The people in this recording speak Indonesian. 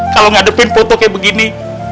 kalo gak ada pin foto kayak begini